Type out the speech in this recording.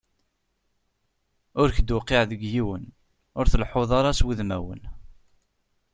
Ur k-d-tewqiɛ deg yiwen, ur tleḥḥuḍ ara s wudmawen.